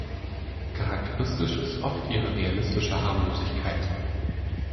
Charakteristisch ist oft ihre realistische Harmlosigkeit.